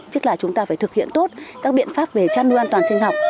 tức là chúng ta phải thực hiện tốt các biện pháp về chăn nuôi an toàn sinh học